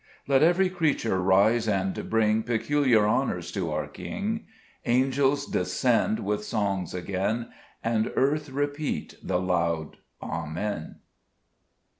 5 Let even* creature rise and bring Peculiar honors to our King, Angels descend with songs again, And earth repeat the loud Amen.